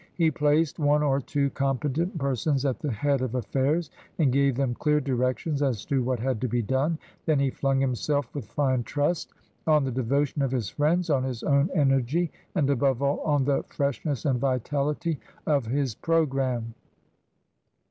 He placed one or two competent persons at the head of affairs and gave them clear directions as to what had to be done ; then he flung himself with fine trust on the devotion of his friends, on his own energy, and above all on the fresh ness and vitality of his programme.